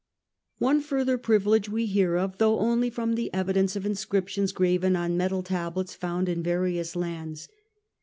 One further privilege we hear of, though only from the evidence of inscriptions graven on metal tablets found in various lands.